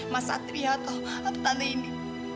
mas satria atau tante ini